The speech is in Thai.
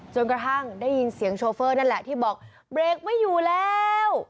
กระทั่งได้ยินเสียงโชเฟอร์นั่นแหละที่บอกเบรกไม่อยู่แล้ว